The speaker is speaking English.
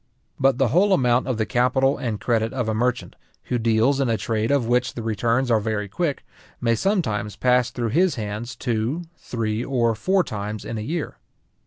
But the whole amount of the capital and credit of a merchant, who deals in a trade of which the returns are very quick, may sometimes pass through his hands two, three, or four times in a year.